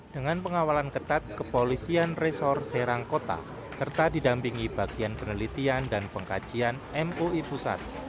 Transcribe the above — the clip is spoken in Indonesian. dengan pengawalan ketat kepolisian resor serang kota serta didampingi bagian penelitian dan pengkajian mui pusat